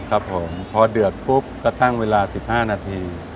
ครับผมพอเดือดปุ๊บก็ตั้งเวลา๑๕นาที